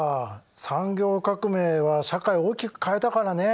産業革命は社会を大きく変えたからね。